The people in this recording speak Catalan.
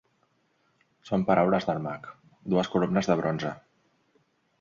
Són paraules del mag: dues columnes de bronze.